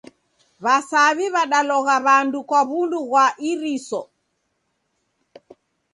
W'asaw'i w'adalogha w'andu kwa w'undu gha iriso.